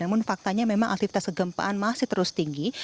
namun faktanya memang aktivitas kegempaan masih terus tinggi